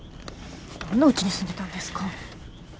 どんなうちに住んでたんですか。